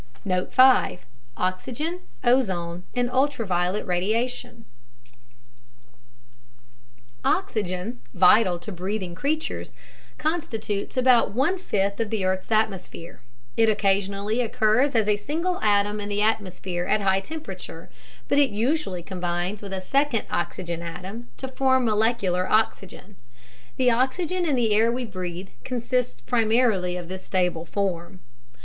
Note 5: Oxygen, Ozone and Ultraviolet Radiation Oxygen, vital to breathing creatures, constitutes about one fifth of the earth's atmosphere. It occasionally occurs as a single atom in the atmosphere at high temperature, but it usually combines with a second oxygen atom to form molecular oxygen (O2). The oxygen in the air we breathe consists primarily of this stable form.